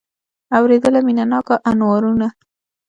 اورېدله مینه ناکه انوارونه